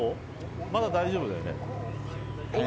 まだ大丈夫だよね。